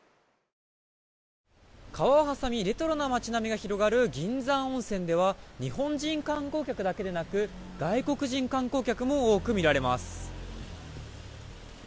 川を挟みレトロな街並みが広がる銀山温泉では日本人観光客だけでなく外国人観光客も多く見られます。